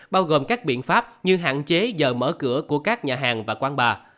bao gồm các biện pháp như hạn chế giờ mở cửa của các nhà hàng và quán bà